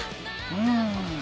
うん。